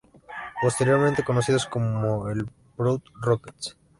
Posteriormente conocidos como el "Proud Rockets".